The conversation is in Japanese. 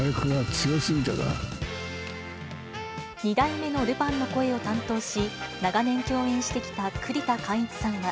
２代目のルパンの声を担当し、長年共演してきた栗田貫一さんは。